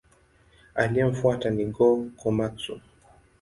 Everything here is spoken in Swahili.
Aliyemfuata ni Go-Komatsu.